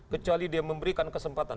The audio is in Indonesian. kecuali dia memberikan kesempatan